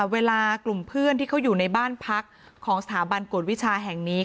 เวลากลุ่มเพื่อนที่เขาอยู่ในบ้านพักของสถาบันกวดวิชาแห่งนี้